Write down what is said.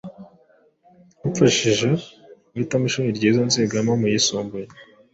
bamfashije guhitamo ishuri ryiza nzigamo mu yisumbuye.